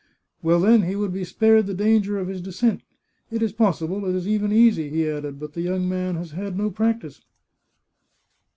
" Well, then he would be spared the danger of his de scent. It is possible, it is even easy," he added, " but the young man has had no practice."